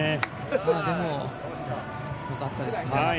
でも、よかったですね。